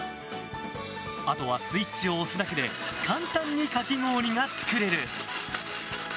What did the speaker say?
あとはスイッチを押すだけで簡単にかき氷が作れる。